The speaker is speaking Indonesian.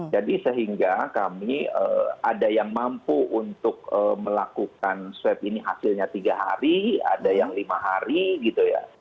jadi sehingga kami ada yang mampu untuk melakukan swab ini hasilnya tiga hari ada yang lima hari gitu ya